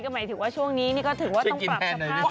หมายถึงว่าช่วงนี้นี่ก็ถือว่าต้องปรับสภาพ